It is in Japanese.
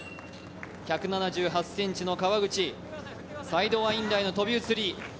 １７８ｃｍの川口、サイドワインダーへの飛び移り。